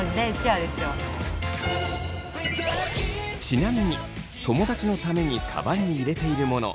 ちなみに友だちのためにカバンに入れているもの